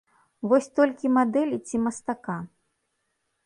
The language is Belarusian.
Вось толькі мадэлі ці мастака?